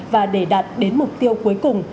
và để đạt đến mục tiêu cuối cùng